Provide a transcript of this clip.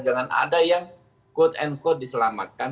jangan ada yang quote and quote diselamatkan